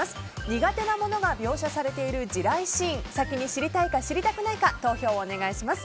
苦手なものが描写されている地雷シーン先に知りたいか知りたくないか投票をお願いします。